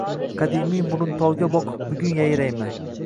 “Qadimiy Muruntovga boqib bugun yayrayman....”